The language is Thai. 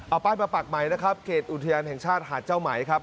เอาป้ายมาปักใหม่นะครับเขตอุทยานแห่งชาติหาดเจ้าไหมครับ